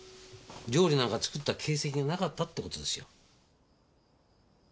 料理なんか作った形跡がなかったって事ですよ。